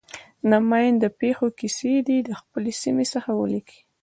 د ماین د پېښو کیسې دې د خپلې سیمې څخه ولیکي.